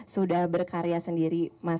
sudah berkarya sendiri